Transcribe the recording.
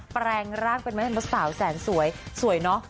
แปรงร่างเป็นแม่มดสาวแสนสวยสวยเนอะ